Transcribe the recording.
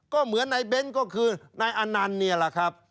ก็เหมือนนายเบ้นก็คือนายอนันต์เนี่ยแหละครับ